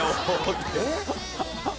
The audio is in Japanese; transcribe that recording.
えっ。